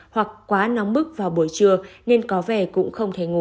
hoặc quá nóng bức vào buổi trưa nên có vẻ cũng không thể ngủ